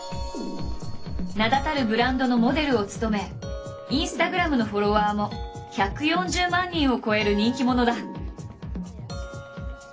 名だたるブランドのモデルを務めインスタグラムのフォロワーも１４０万人を超える人気者だ。